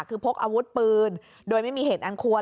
คือพกอาวุธปืนโดยไม่มีเหตุอันควร